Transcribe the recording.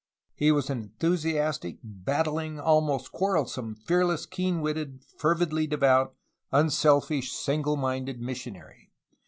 He was an enthusiastic, battUng, almost quarrel some, fearless, keen witted, fervidly devout, unselfish, single minded missionary.